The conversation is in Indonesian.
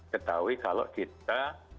ketahui kalau kita